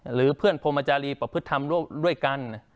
หรือเพื่อนพรมจารีประพฤติธรรมด้วยกัน